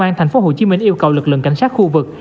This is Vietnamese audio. công an tp hcm yêu cầu lực lượng cảnh sát khu vực